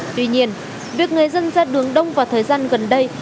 tuy nhiên việc người dân ra đường đông vào thời gian gần đây